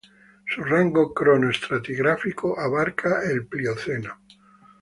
Su rango cronoestratigráfico abarca el Plioceno.